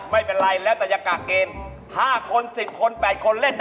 ไม่เป็นไรแล้วแต่